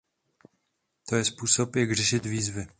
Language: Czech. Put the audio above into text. To je způsob, jak řešit výzvy.